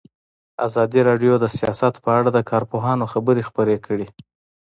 ازادي راډیو د سیاست په اړه د کارپوهانو خبرې خپرې کړي.